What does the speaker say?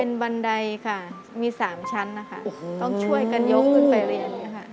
เป็นบันไดค่ะมีสามชั้นนะคะต้องช่วยกันยกขึ้นไปเรียนค่ะ